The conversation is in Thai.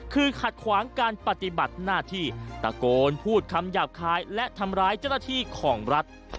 คือขัดขวางการปฏิบัติหน้าที่ตะโกนพูดคำหยาบคลายและทำร้ายเจ้าหน้าที่ของรัฐ